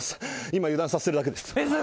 今、油断させてるだけです。